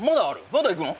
まだ行くの？